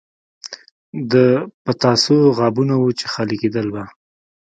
د پتاسو غابونه وو چې خالي کېدل به.